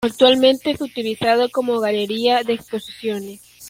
Actualmente es utilizado como galería de exposiciones.